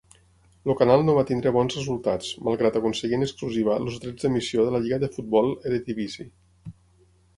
El canal no va tenir bons resultats, malgrat aconseguir en exclusiva els drets d'emissió de la lliga de futbol Eredivisie.